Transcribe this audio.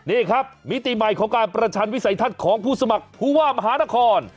นี่ครับมิติใหม่ของการประชันวิสัยทัศน์ของผู้สมัครผู้ว่ามหานคร